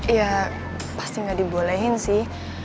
iya pasti gak dibolehin sih